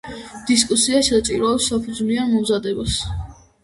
დისკუსია საჭიროებს საფუძვლიან მომზადებას.